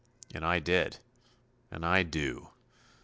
And I did. And I do.